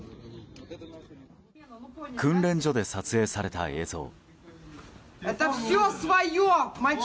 訓練所で撮影された映像。